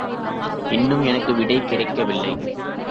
இன்னும் எனக்கு விடை கிடைக்கவில்லை.